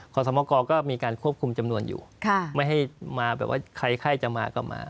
สมกรก็มีการควบคุมจำนวนอยู่ไม่ให้มาแบบว่าใครไข้จะมาก็มา